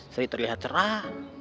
sri terlihat cerah